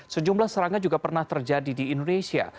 sejumlah serangan juga pernah terjadi di indonesia